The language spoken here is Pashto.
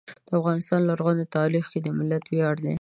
د افغانستان لرغونی تاریخ د ملت ویاړ دی.